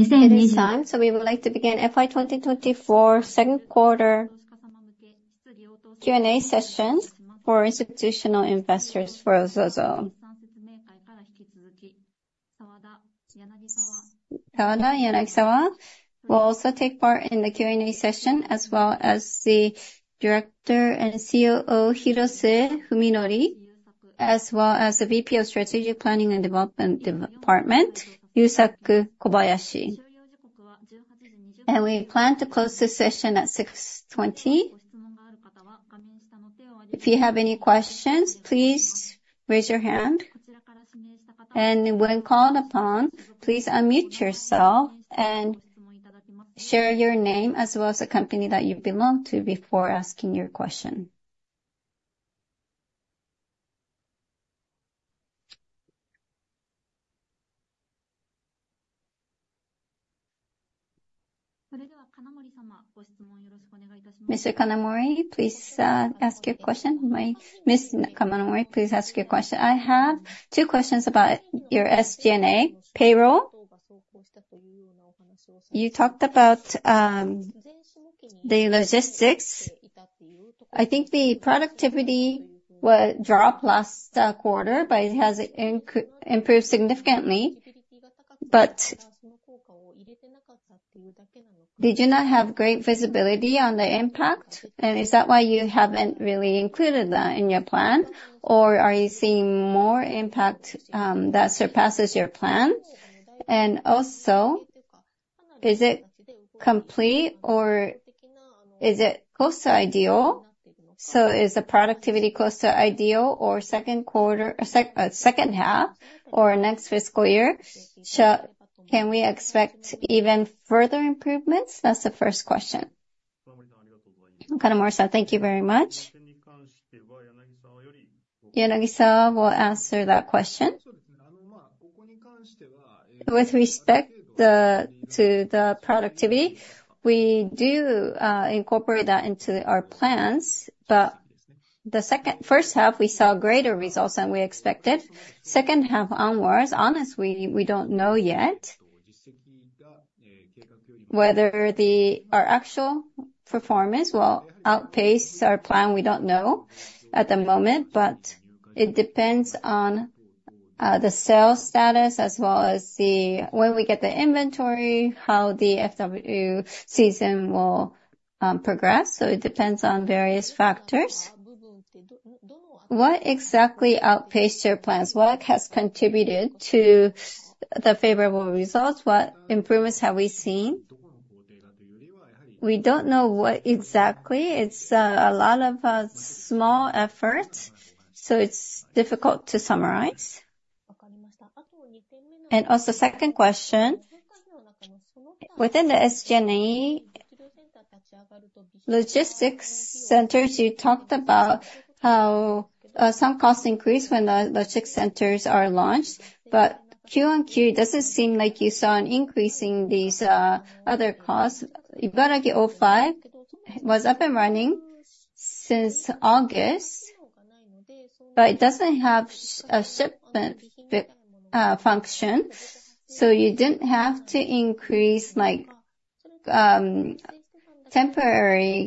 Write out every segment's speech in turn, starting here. This is Yusuke. So we would like to begin FY 2024 second quarter Q&A session for institutional investors for ZOZO. Sawada, Yanagisawa. Sawada, Yanagisawa. We'll also take part in the Q&A session, as well as the Director and COO Hirose, Fuminori, as well as the VP of Strategic Planning and Development Department, Yusaku Kobayashi. And we plan to close the session at 6:20 P.M. If you have any questions, please raise your hand. And when called upon, please unmute yourself and share your name as well as the company that you belong to before asking your question. Mr. Kanamori, please ask your question. Ms. Kanamori, please ask your question. I have two questions about your SG&A payroll. You talked about the logistics. I think the productivity dropped last quarter, but it has improved significantly, but did you not have great visibility on the impact? And is that why you haven't really included that in your plan, or are you seeing more impact that surpasses your plan? And also, is it complete or is it close to ideal, so is the productivity close to ideal or second half or next fiscal year? Can we expect even further improvements? That's the first question. Ms. Kanamori, thank you very much. Yanagisawa will answer that question. With respect to the productivity, we do incorporate that into our plans, but the first half, we saw greater results than we expected. Second half onwards, honestly, we don't know yet whether our actual performance will outpace our plan. We don't know at the moment, but it depends on the sales status as well as when we get the inventory, how the FW season will progress. So it depends on various factors. What exactly outpaced your plans? What has contributed to the favorable results? What improvements have we seen? We don't know what exactly. It's a lot of small efforts, so it's difficult to summarize. And also, second question, within the SG&A logistics centers, you talked about how some costs increase when the logistics centers are launched, but Q on Q doesn't seem like you saw an increase in these other costs. Ibaraki 5 was up and running since August, but it doesn't have a shipment function. So you didn't have to increase temporary.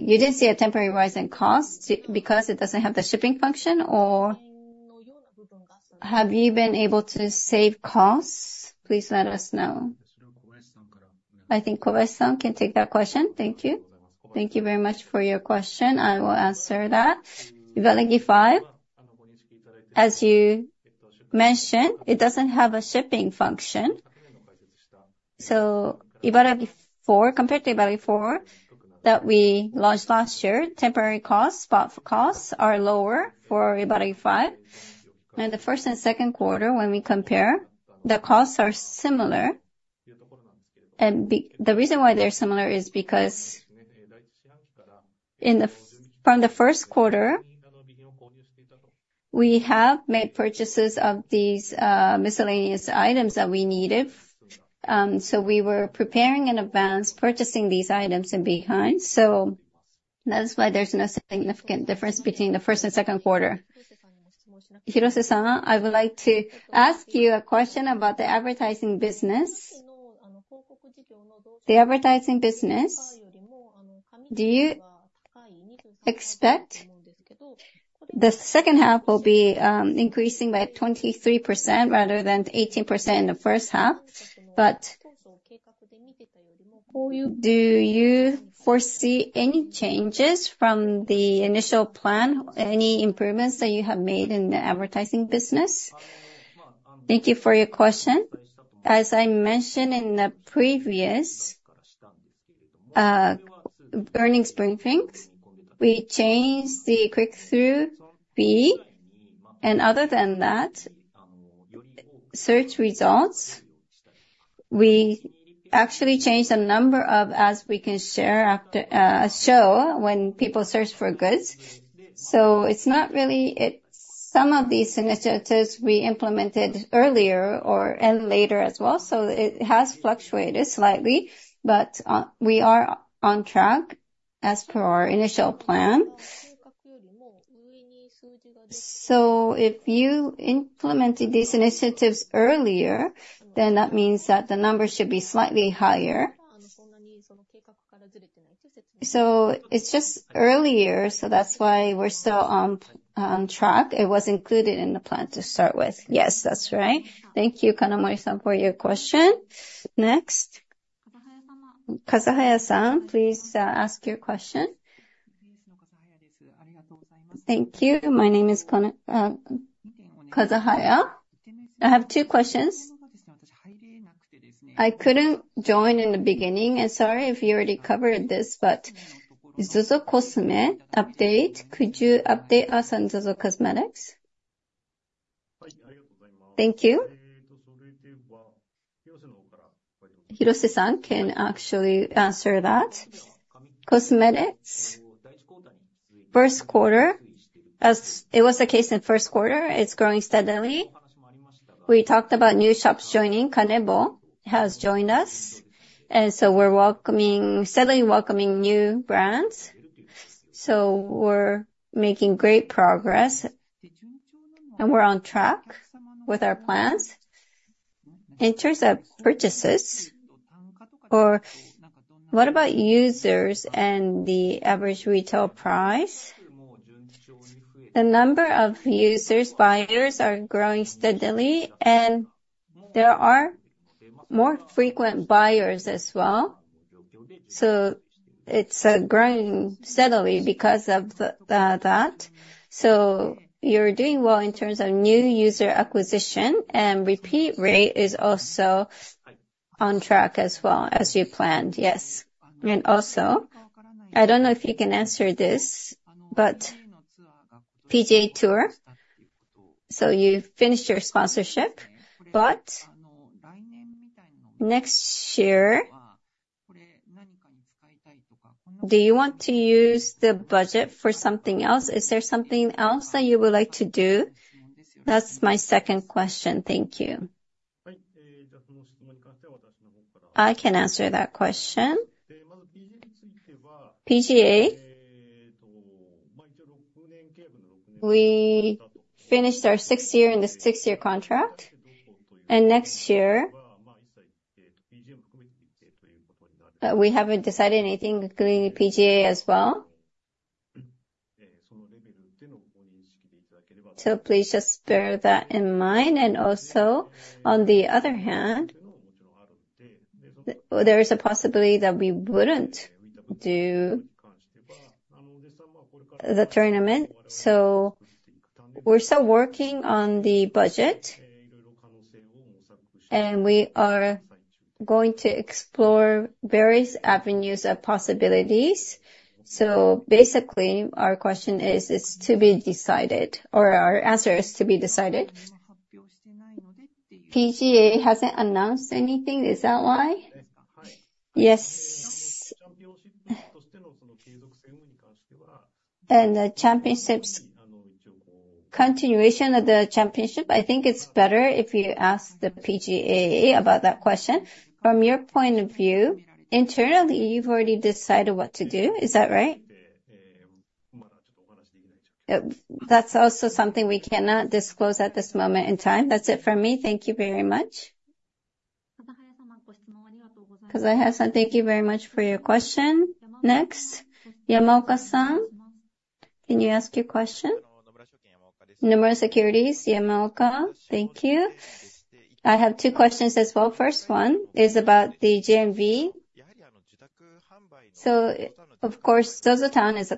You didn't see a temporary rise in cost because it doesn't have the shipping function? Or have you been able to save costs? Please let us know. I think Kobayashi-san can take that question. Thank you. Thank you very much for your question. I will answer that. Ibaraki 5, as you mentioned, it doesn't have a shipping function. So Ibaraki 4, compared to Ibaraki 4 that we launched last year, temporary costs, spot costs are lower for Ibaraki 5. And the first and second quarter, when we compare, the costs are similar. And the reason why they're similar is because from the first quarter, we have made purchases of these miscellaneous items that we needed. So we were preparing in advance, purchasing these items behind. So that's why there's no significant difference between the first and second quarter. Hirose-san, I would like to ask you a question about the advertising business. The advertising business, do you expect the second half will be increasing by 23% rather than 18% in the first half? But do you foresee any changes from the initial plan, any improvements that you have made in the advertising business? Thank you for your question. As I mentioned in the previous earnings briefings, we changed the click-through fee. And other than that, search results, we actually changed the number of ads we can show when people search for goods. So it's not really some of these initiatives we implemented earlier and later as well. So it has fluctuated slightly, but we are on track as per our initial plan. So if you implemented these initiatives earlier, then that means that the numbers should be slightly higher. So it's just earlier, so that's why we're still on track. It was included in the plan to start with. Yes, that's right. Thank you, Kanamori-san, for your question. Next, Kazahaya-san, please ask your question. Thank you. My name is Kazahaya. I have two questions. I couldn't join in the beginning. I'm sorry if you already covered this, but ZOZOCOSME update, could you update us on ZOZO Cosmetics? Thank you. Hirose-san can actually answer that. First quarter, it was the case in first quarter. It's growing steadily. We talked about new shops joining. Kanebo has joined us, and so we're steadily welcoming new brands. So we're making great progress, and we're on track with our plans. In terms of purchases, or what about users and the average retail price? The number of users, buyers are growing steadily, and there are more frequent buyers as well, so it's growing steadily because of that, so you're doing well in terms of new user acquisition, and repeat rate is also on track as well as you planned. Yes, and also, I don't know if you can answer this, but PGA TOUR, so you finished your sponsorship, but next year, do you want to use the budget for something else? Is there something else that you would like to do? That's my second question. Thank you. I can answer that question. PGA finished our sixth year in the six-year contract, and next year, we haven't decided anything regarding PGA as well, so please just bear that in mind, and also, on the other hand, there is a possibility that we wouldn't do the tournament. So we're still working on the budget, and we are going to explore various avenues of possibilities. So basically, our question is, it's to be decided, or our answer is to be decided. PGA hasn't announced anything. Is that why? Yes. And the championship continuation of the championship, I think it's better if you ask the PGA about that question. From your point of view, internally, you've already decided what to do. Is that right? That's also something we cannot disclose at this moment in time. That's it for me. Thank you very much. Kazahaya-san, thank you very much for your question. Next, Yamaoka-san, can you ask your question? Nomura Securities, Yamaoka, thank you. I have two questions as well. First one is about the GMV. Of course, ZOZOTOWN is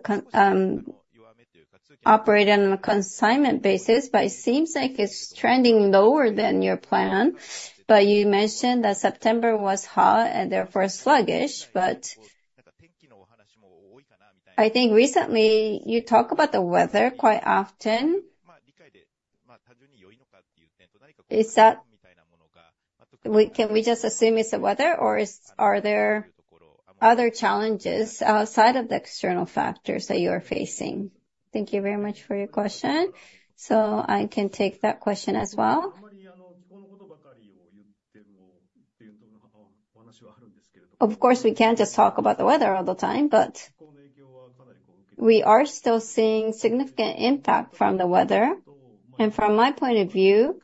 operated on a consignment basis, but it seems like it's trending lower than your plan. But you mentioned that September was hot and therefore sluggish, but I think recently you talk about the weather quite often. Can we just assume it's the weather, or are there other challenges outside of the external factors that you are facing? Thank you very much for your question. So I can take that question as well. Of course, we can't just talk about the weather all the time, but we are still seeing significant impact from the weather. And from my point of view,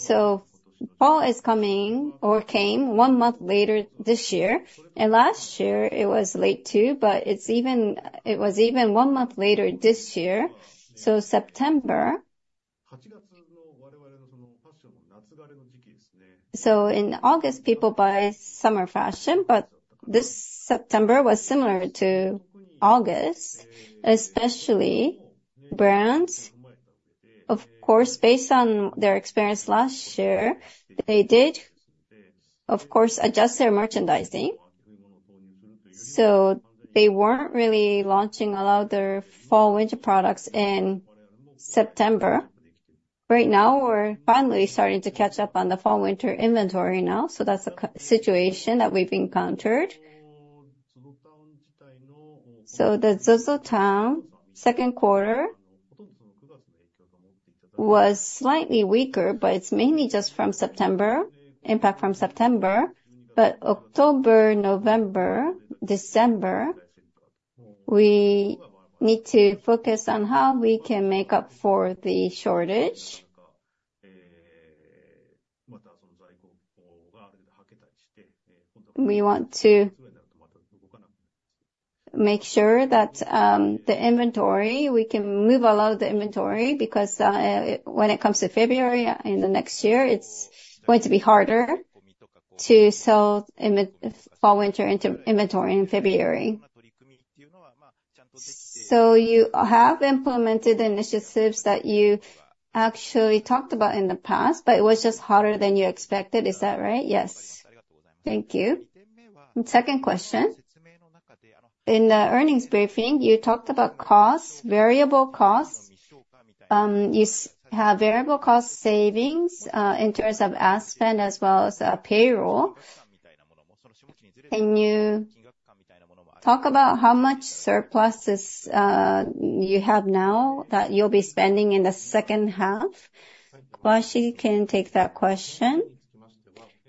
fall is coming one month later this year. And last year, it was late too, but it was even one month later this year. So September, so in August, people buy summer fashion, but this September was similar to August, especially brands. Of course, based on their experience last year, they did, of course, adjust their merchandising. So they weren't really launching a lot of their fall winter products in September. Right now, we're finally starting to catch up on the fall winter inventory now. So that's a situation that we've encountered. So the ZOZOTOWN second quarter was slightly weaker, but it's mainly just from September, impact from September. But October, November, December, we need to focus on how we can make up for the shortage. We want to make sure that the inventory, we can move a lot of the inventory because when it comes to February in the next year, it's going to be harder to sell fall winter inventory in February. So you have implemented initiatives that you actually talked about in the past, but it was just hotter than you expected. Is that right? Yes. Thank you. Second question. In the earnings briefing, you talked about variable costs. You have variable cost savings in terms of ad spend as well as payroll. Can you talk about how much surplus you have now that you'll be spending in the second half? Yanagisawa can take that question.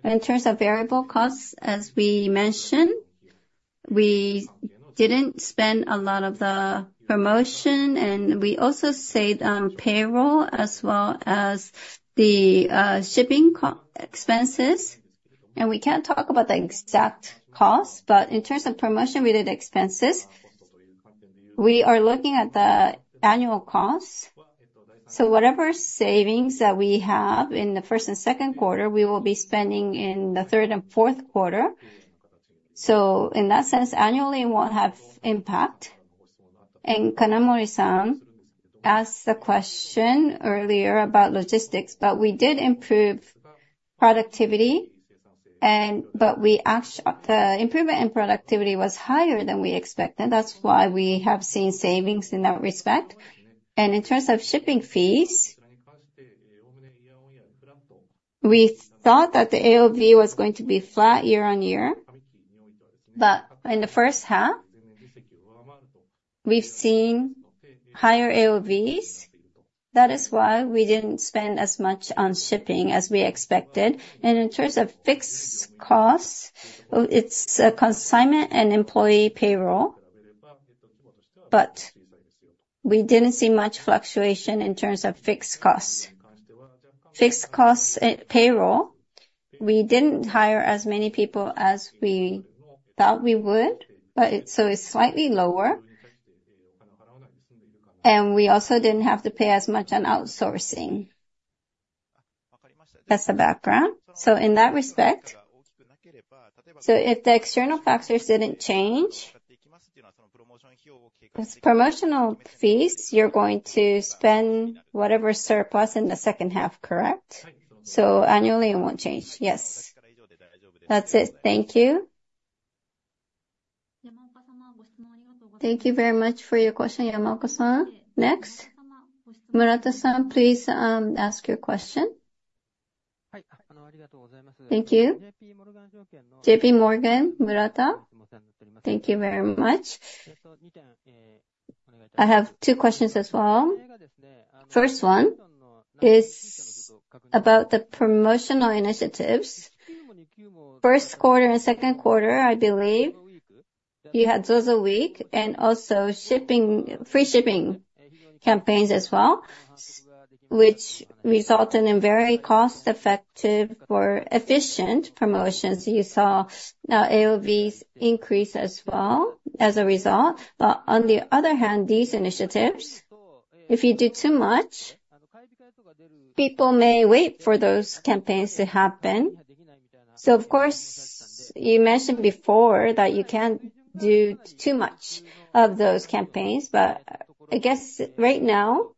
In terms of variable costs, as we mentioned, we didn't spend a lot of the promotion, and we also saved on payroll as well as the shipping expenses. We can't talk about the exact costs, but in terms of promotion, we did expenses. We are looking at the annual costs. Whatever savings that we have in the first and second quarter, we will be spending in the third and fourth quarter. In that sense, annually, it won't have impact. Kanamori-san asked the question earlier about logistics, but we did improve productivity, but the improvement in productivity was higher than we expected. That's why we have seen savings in that respect. In terms of shipping fees, we thought that the AOV was going to be flat year on year, but in the first half, we've seen higher AOVs. That is why we didn't spend as much on shipping as we expected. In terms of fixed costs, it's consignment and employee payroll, but we didn't see much fluctuation in terms of fixed costs. Fixed costs payroll, we didn't hire as many people as we thought we would, so it's slightly lower. We also didn't have to pay as much on outsourcing. That's the background. In that respect, if the external factors didn't change, it's promotional fees. You're going to spend whatever surplus in the second half, correct? So annually, it won't change. Yes. That's it. Thank you. Thank you very much for your question, Yamaoka-san. Next, Murata-san, please ask your question. Thank you. J.P. Morgan Murata. Thank you very much. I have two questions as well. First one is about the promotional initiatives. First quarter and second quarter, I believe, you had ZOZO Week and also free shipping campaigns as well, which resulted in very cost-effective or efficient promotions. You saw AOVs increase as well as a result. But on the other hand, these initiatives, if you do too much, people may wait for those campaigns to happen. So of course, you mentioned before that you can't do too much of those campaigns, but I guess right now,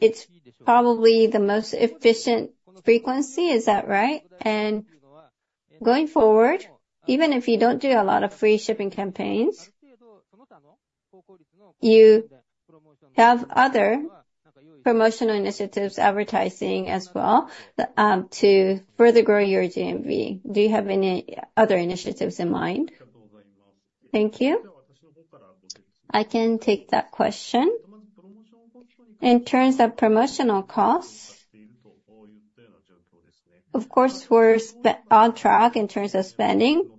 it's probably the most efficient frequency. Is that right? And going forward, even if you don't do a lot of free shipping campaigns, you have other promotional initiatives, advertising as well, to further grow your GMV. Do you have any other initiatives in mind? Thank you. I can take that question. In terms of promotional costs, of course, we're on track in terms of spending.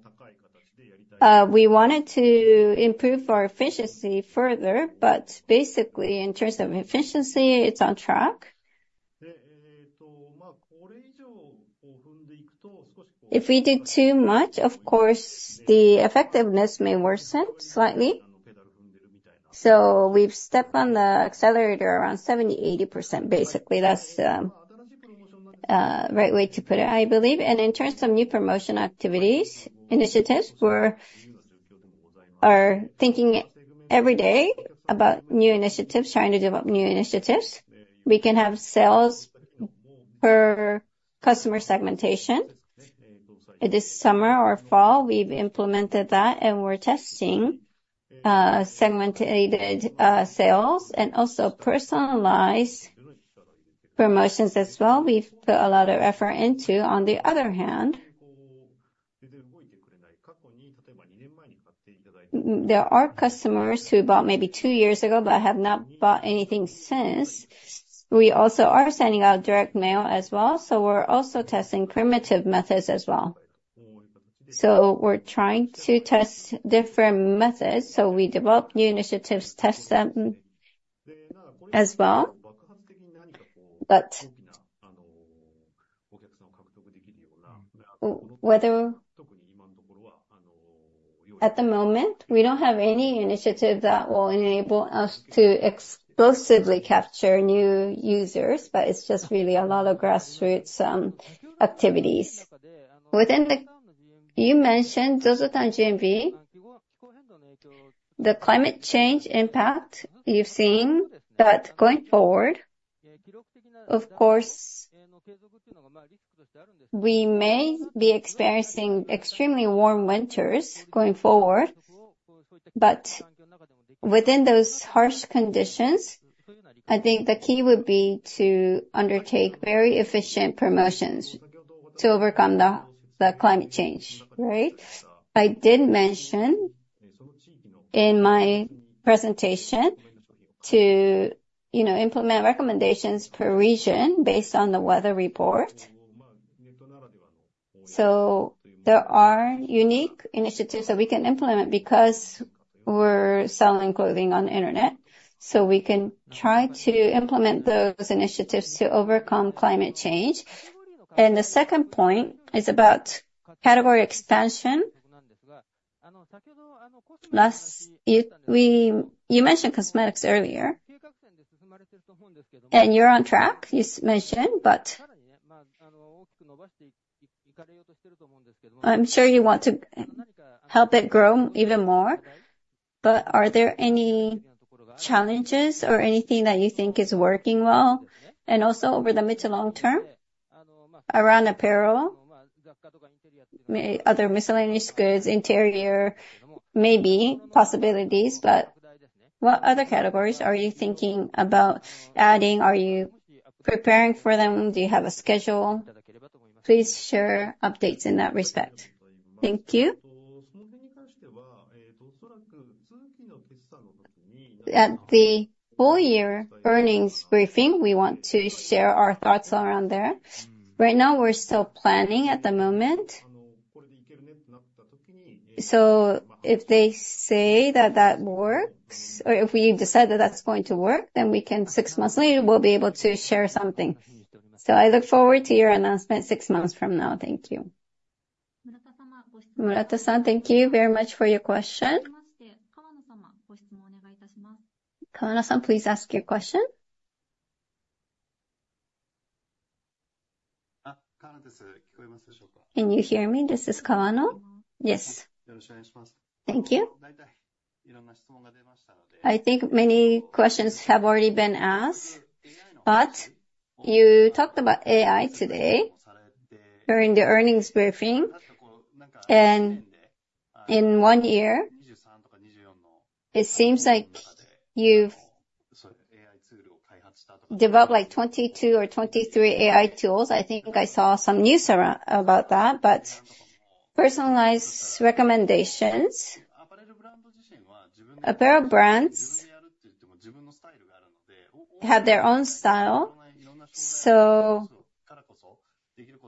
We wanted to improve our efficiency further, but basically, in terms of efficiency, it's on track. If we do too much, of course, the effectiveness may worsen slightly. So we've stepped on the accelerator around 70%-80%, basically. That's the right way to put it, I believe. And in terms of new promotion activities, initiatives, we are thinking every day about new initiatives, trying to develop new initiatives. We can have sales per customer segmentation. This summer or fall, we've implemented that, and we're testing segmented sales and also personalized promotions as well. We've put a lot of effort into. On the other hand, there are customers who bought maybe two years ago but have not bought anything since. We also are sending out direct mail as well. We're also testing primitive methods as well. We're trying to test different methods. We develop new initiatives, test them as well, but at the moment, we don't have any initiative that will enable us to exclusively capture new users, but it's just really a lot of grassroots activities. You mentioned ZOZOTOWN GMV. The climate change impact you've seen, but going forward, of course, we may be experiencing extremely warm winters going forward. But within those harsh conditions, I think the key would be to undertake very efficient promotions to overcome the climate change. Right? I did mention in my presentation to implement recommendations per region based on the weather report. There are unique initiatives that we can implement because we're selling clothing on the internet. We can try to implement those initiatives to overcome climate change. The second point is about category expansion. You mentioned cosmetics earlier, and you're on track, you mentioned, but I'm sure you want to help it grow even more. But are there any challenges or anything that you think is working well? And also over the mid to long term around apparel, other miscellaneous goods, interior, maybe possibilities. But what other categories are you thinking about adding? Are you preparing for them? Do you have a schedule? Please share updates in that respect. Thank you. At the full-year earnings briefing, we want to share our thoughts around there. Right now, we're still planning at the moment. So if they say that that works, or if we decide that that's going to work, then we can, six months later, we'll be able to share something. So I look forward to your announcement six months from now. Thank you. Murata-san, thank you very much for your question. Kawano-san, please ask your question. Can you hear me? This is Kawano. Yes. Yes. Thank you. I think many questions have already been asked, but you talked about AI today during the earnings briefing. In one year, it seems like you've developed like 22 or 23 AI tools. I think I saw some news about that, but personalized recommendations. Apparel brands have their own style.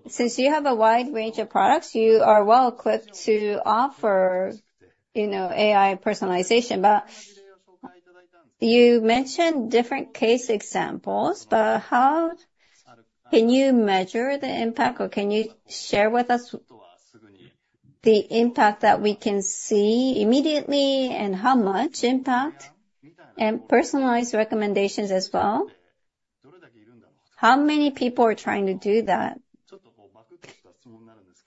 Since you have a wide range of products, you are well equipped to offer AI personalization. You mentioned different case examples, but how can you measure the impact, or can you share with us the impact that we can see immediately and how much impact? Personalized recommendations as well. How many people are trying to do that?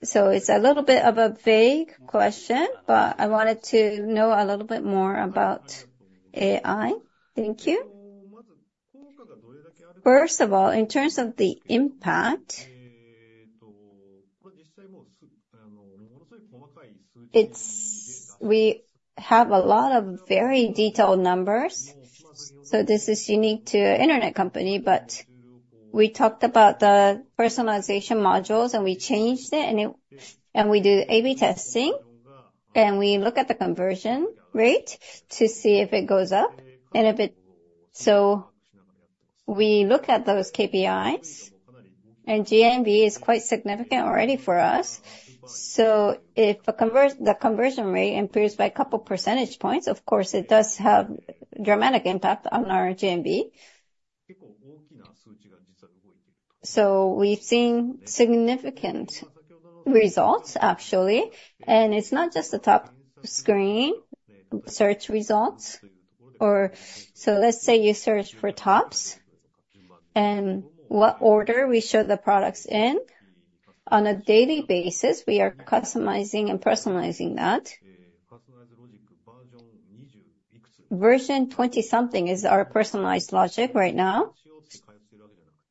It is a little bit of a vague question, but I wanted to know a little bit more about AI. Thank you. First of all, in terms of the impact, we have a lot of very detailed numbers. So this is unique to an internet company, but we talked about the personalization modules, and we changed it, and we do A/B testing, and we look at the conversion rate to see if it goes up. And so we look at those KPIs, and GMV is quite significant already for us. So if the conversion rate improves by a couple of percentage points, of course, it does have a dramatic impact on our GMV. So we've seen significant results, actually. And it's not just the top screen search results. So let's say you search for tops, and what order we show the products in. On a daily basis, we are customizing and personalizing that. Version 20-something is our personalized logic right now.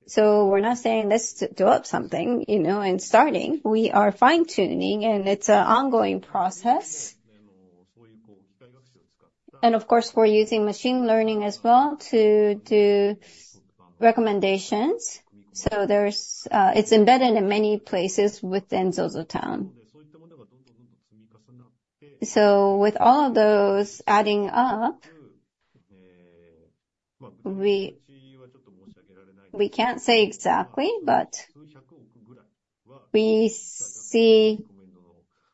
So we're not saying, "Let's do up something," and starting. We are fine-tuning, and it's an ongoing process. And of course, we're using machine learning as well to do recommendations. So it's embedded in many places within ZOZOTOWN. So with all of those adding up, we can't say exactly, but we see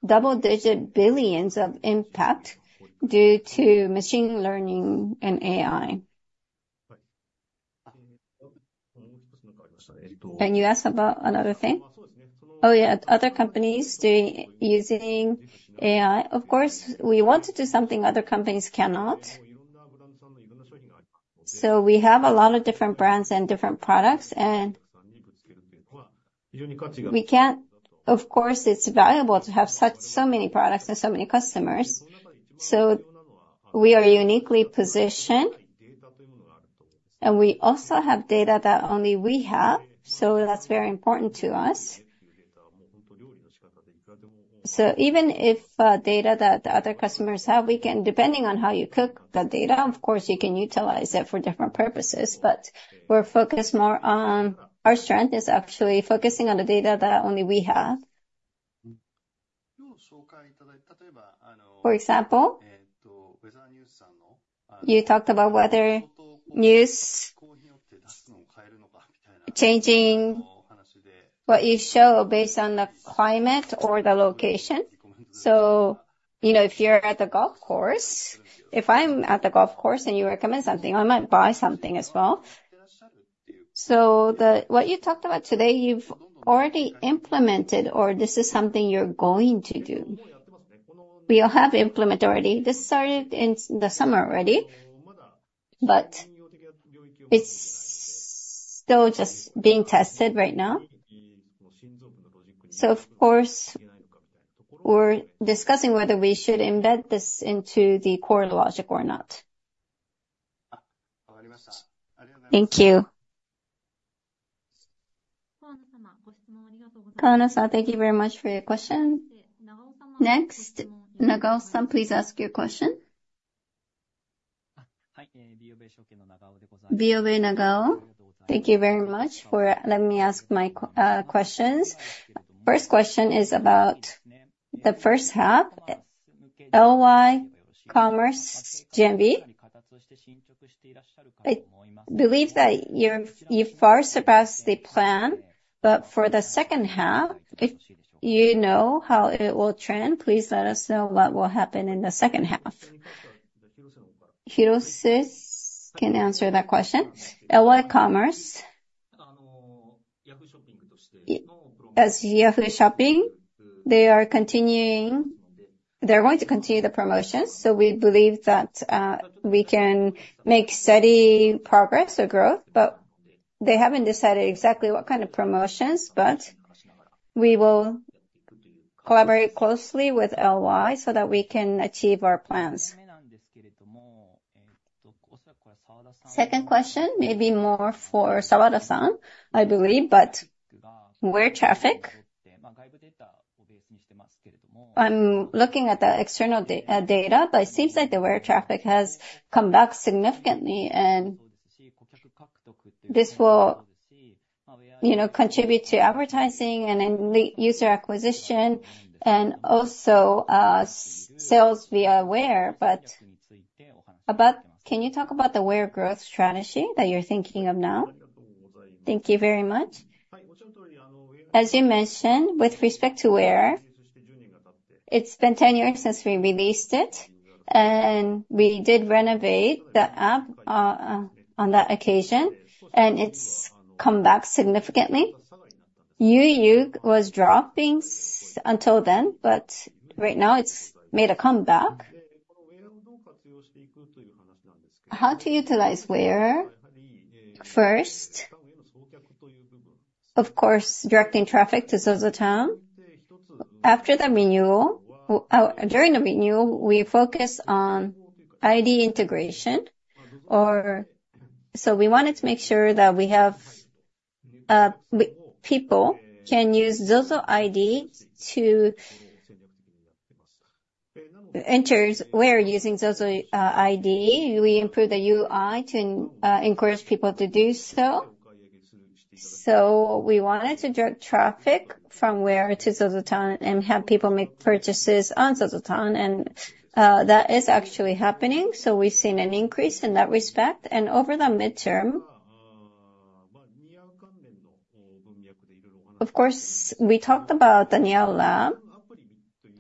double-digit billions of impact due to machine learning and AI. And you asked about another thing? Oh, yeah. Other companies using AI. Of course, we want to do something other companies cannot. So we have a lot of different brands and different products, and of course, it's valuable to have so many products and so many customers. So we are uniquely positioned, and we also have data that only we have. So that's very important to us. So even if data that other customers have, depending on how you cook the data, of course, you can utilize it for different purposes. But we're focused more on our strength is actually focusing on the data that only we have. For example, you talked about weather news changing what you show based on the climate or the location. So if you're at the golf course, if I'm at the golf course and you recommend something, I might buy something as well. So what you talked about today, you've already implemented, or this is something you're going to do. We have implemented already. This started in the summer already, but it's still just being tested right now. So of course, we're discussing whether we should embed this into the core logic or not. Thank you. Kawano-san, thank you very much for your question. Next, Nagao-san, please ask your question. Thank you very much for letting me ask my questions. First question is about the first half, LY Commerce GMV. I believe that you've far surpassed the plan, but for the second half, if you know how it will trend, please let us know what will happen in the second half. Hirose can answer that question. LY Commerce. As Yahoo! Shopping, they are continuing. They're going to continue the promotions. So we believe that we can make steady progress or growth, but they haven't decided exactly what kind of promotions. But we will collaborate closely with LY so that we can achieve our plans. Second question, maybe more for Sawada-san, I believe, but WEAR traffic. I'm looking at the external data, but it seems like the WEAR traffic has come back significantly, and this will contribute to advertising and user acquisition and also sales via WEAR. But can you talk about the WEAR growth strategy that you're thinking of now? Thank you very much. As you mentioned, with respect to WEAR, it's been 10 years since we released it, and we did renovate the app on that occasion, and it's come back significantly. WEAR was dropping until then, but right now it's made a comeback. How to utilize WEAR first? Of course, directing traffic to ZOZOTOWN. After the renewal, during the renewal, we focus on ID integration. So we wanted to make sure that we have people who can use ZOZO ID to enter WEAR using ZOZO ID. We improved the UI to encourage people to do so. So we wanted to direct traffic from WEAR to ZOZOTOWN and have people make purchases on ZOZOTOWN, and that is actually happening. So we've seen an increase in that respect. Over the midterm, of course, we talked about the niaulab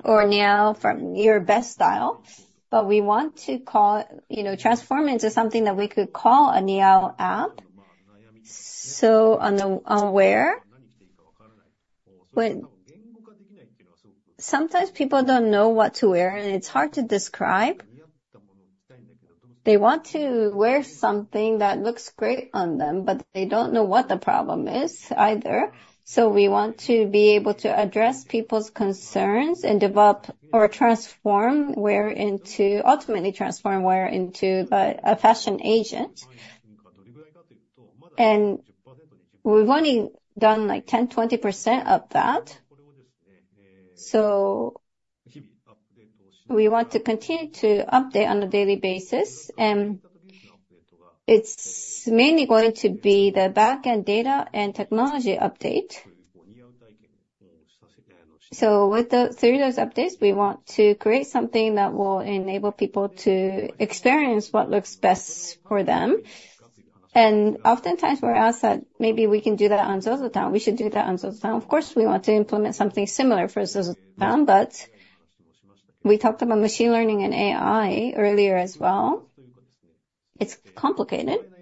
or Niau from your best style, but we want to transform into something that we could call a Niau app. So on the WEAR, sometimes people don't know what to wear, and it's hard to describe. So we want to be able to address people's concerns and develop or transform WEAR into a fashion agent. We've only done like 10%-20% of that. So we want to continue to update on a daily basis, and it's mainly going to be the back-end data and technology update. So through those updates, we want to create something that will enable people to experience what looks best for them. Oftentimes, we're asked that maybe we can do that on ZOZOTOWN. We should do that on ZOZOTOWN. Of course, we want to implement something similar for ZOZOTOWN, but we talked about machine learning and AI earlier as well. It's complicated,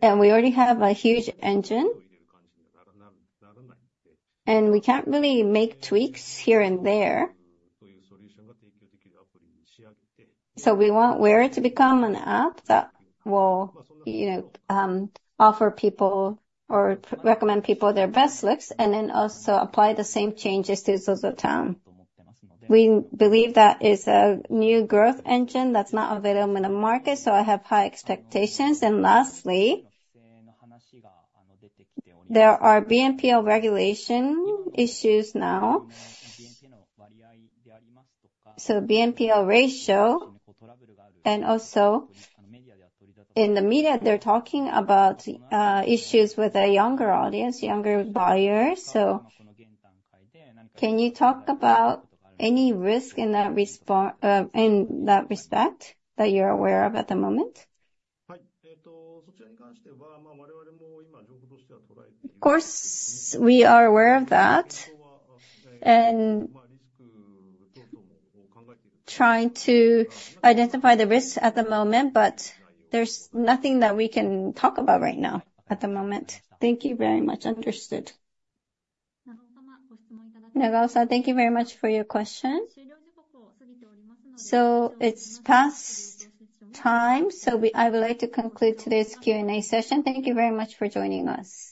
and we already have a huge engine, and we can't really make tweaks here and there. So we want WEAR to become an app that will offer people or recommend people their best looks and then also apply the same changes to ZOZOTOWN. We believe that is a new growth engine that's not available in the market, so I have high expectations. And lastly, there are BNPL regulation issues now. So BNPL ratio, and also in the media, they're talking about issues with a younger audience, younger buyers. So can you talk about any risk in that respect that you're aware of at the moment? Trying to identify the risks at the moment, but there's nothing that we can talk about right now at the moment. Thank you very much. Understood. Nagao-san, thank you very much for your question. So it's past time, so I would like to conclude today's Q&A session. Thank you very much for joining us.